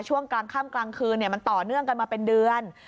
ช่วงกลางค่ำกลางคืนมันต่อเนื่องกันมาเป็นเดือน